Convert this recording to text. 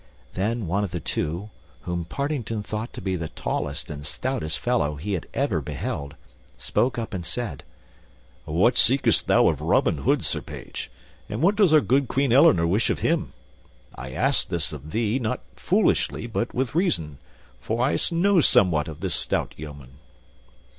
Then one of the two, whom Partington thought to be the tallest and stoutest fellow he had ever beheld, spoke up and said, "What seekest thou of Robin Hood, Sir Page? And what does our good Queen Eleanor wish of him? I ask this of thee, not foolishly, but with reason, for I know somewhat of this stout yeoman."